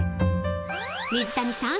［水谷さん。